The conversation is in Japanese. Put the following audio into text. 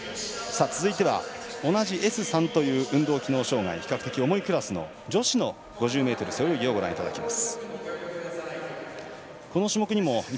続いては同じＳ３という運動機能障がい比較的重いクラスの女子の５０ｍ背泳ぎをご覧いただきます。